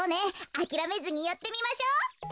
あきらめずにやってみましょう。